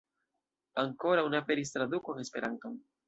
Ankoraŭ ne aperis traduko en Esperanton.